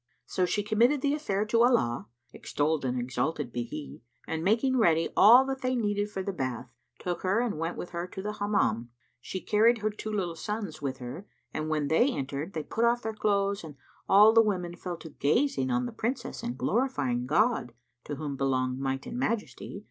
So she committed the affair to Allah (extolled and exalted be He!) and making ready all that they needed for the bath, took her and went with her to the Hammam. She carried her two little sons with her, and when they entered, they put off their clothes and all the women fell to gazing on the Princess and glorifying God (to whom belong Might and Majesty!)